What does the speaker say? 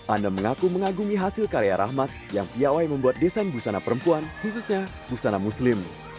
ana mengaku mengagumi hasil karya rahmat yang piawai membuat desain busana perempuan khususnya busana muslim